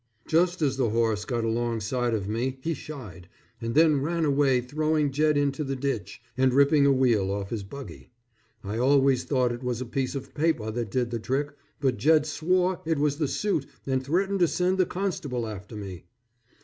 Just as the horse got along side of me he shied, and then ran away throwing Jed into the ditch and ripping a wheel off his buggy. I always thought it was a piece of paper that did the trick, but Jed swore it was the suit and threatened to send the constable after me.